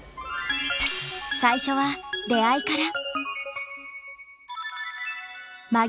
最初は出会いから。